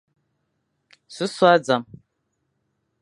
Sôsôe a zam.